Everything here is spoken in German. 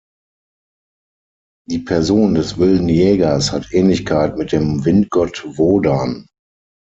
Die Person des Wilden Jägers hat Ähnlichkeit mit dem Windgott Wodan.